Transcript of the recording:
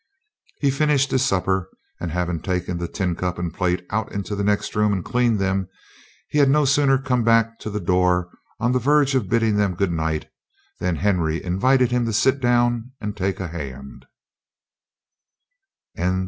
He finished his supper, and, having taken the tin cup and plate out into the next room and cleaned them, he had no sooner come back to the door, on the verge of bidding them good night, then Henry invited him to sit down and take a hand.